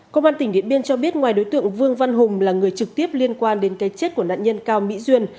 công an tỉnh điện biên cho biết ngoài đối tượng vương văn hùng là người trực tiếp liên quan đến cái chết của nạn nhân cao mỹ duyên